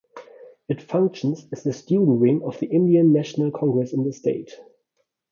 It functions as the student wing of the Indian National Congress in the state.